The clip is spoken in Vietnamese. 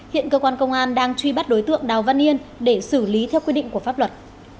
hiện cơ quan công an đang truy bắt đối tượng đào văn yên để xử lý theo quy định của pháp luật